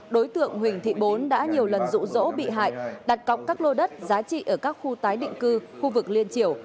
đối tượng huỳnh thị bốn đã nhiều lần rụ rỗ bị hại đặt cọc các lô đất giá trị ở các khu tái định cư khu vực liên triều